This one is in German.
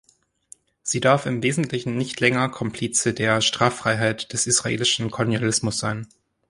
Sie darf im Wesentlichen nicht länger Komplize der Straffreiheit des israelischen Kolonialismus sein.